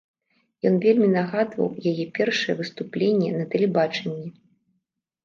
Ён вельмі нагадваў яе першае выступленне на тэлебачанні.